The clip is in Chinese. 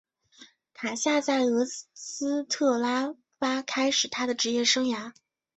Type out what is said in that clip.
卡夏在俄斯特拉发开始他的职业生涯。